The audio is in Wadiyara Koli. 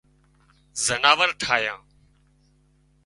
زناور ٺاهيان